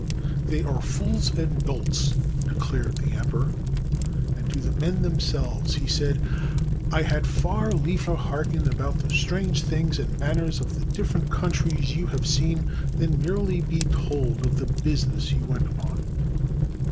"They are fools and dolts," declared the emperor; and to the men themselves he said, "I had far liever hearken about the strange things and manners of the different countries you have seen than merely be told of the business you went upon."